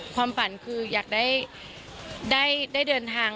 ความฝันคืออยากได้เดินทาง